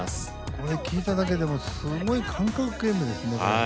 これ聞いただけでもすごい感覚ゲームですね。